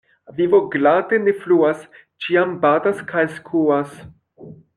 Vivo glate ne fluas, ĉiam batas kaj skuas.